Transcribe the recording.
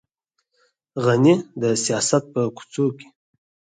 غني د سیاست په کوڅو کې.